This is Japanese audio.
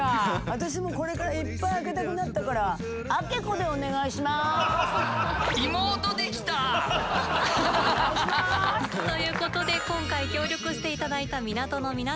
私もこれからいっぱい開けたくなったからお願いします！ということで今回協力して頂いた港の皆様